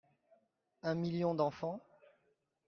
Un million d'enfants.